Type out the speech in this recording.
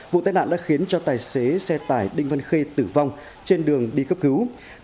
vụ tai nạn đã khiến cho tài xế xe tải đinh văn khê tử vong trên đường đi cấp cứu